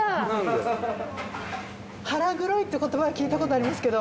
腹黒いって言葉は聞いたことありますけど。